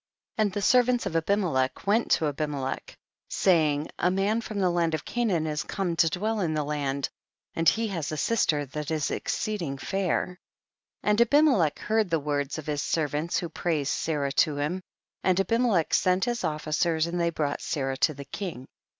4. And the servants of Abimelech went to Abimelech, saying, a man from the land of Canaan is come to dwell in the land, and he has a sister that is exceeding fair. 5. And Abimelech heard the words of his servants who praised Sarah to him, and Abimelech sent his oflicers, and they brought Sarah to the king.